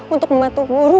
untuk membantu guru